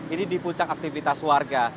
ini di puncak aktivitas warga